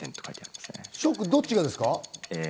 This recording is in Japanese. どっちがですか？